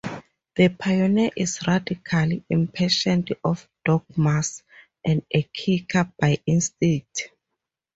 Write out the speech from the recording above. The pioneer is radical, impatient of dogmas, and a kicker by instinct.